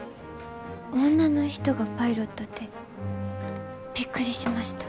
女の人がパイロットってびっくりしました。